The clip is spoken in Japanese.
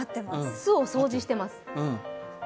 すを掃除してます。